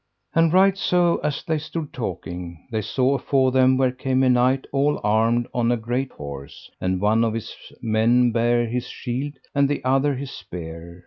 And right so as they stood talking they saw afore them where came a knight all armed, on a great horse, and one of his men bare his shield, and the other his spear.